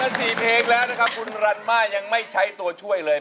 ๔เพลงแล้วนะครับคุณรันมายังไม่ใช้ตัวช่วยเลย